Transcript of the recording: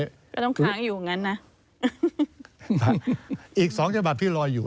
ก็ต้องค้างอยู่อย่างนั้นนะอีกสองฉบับที่รออยู่